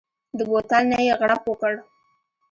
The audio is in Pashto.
د بوتل نه يې غړپ وکړ.